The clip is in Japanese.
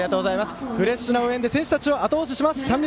フレッシュな応援で選手たちをあと押しします。